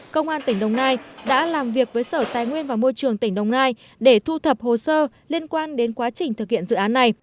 công an tỉnh đồng nai đã làm việc với sở tài nguyên và môi trường tỉnh đồng nai để thu thập hồ sơ liên quan đến quá trình thực hiện dự án này